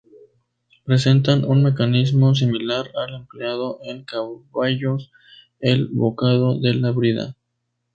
Presentan un mecanismo similar al empleado en caballos, el bocado de la brida.